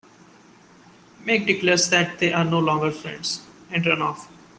Make declares that they are no longer friends and runs off.